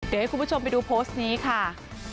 เดี๋ยวให้คุณผู้ชมไปดูโพสต์นี้ค่ะ